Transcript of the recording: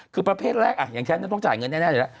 คือประเภทแรกอย่างแชนต์ต้องจ่ายเงินแน่เลยละ